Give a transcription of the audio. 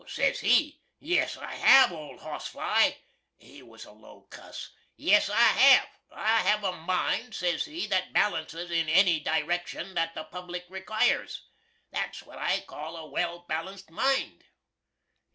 Says he, Yes, I have, old hoss fly (he was a low cuss) yes, I have. I have a mind, says he, that balances in any direction that the public rekires. That's wot I call a well balanced mind.